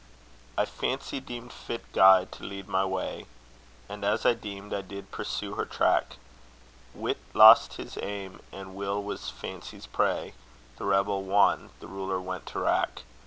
I fancy deemed fit guide to lead my way, And as I deemed I did pursue her track; Wit lost his aim, and will was fancy's prey; The rebel won, the ruler went to wrack.